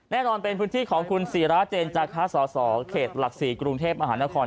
แน่นอนเป็นพื้นที่ของคุณศรีราชเจนจากฮาศาสตรเขตหลักศรีกรุงเทพอหานคร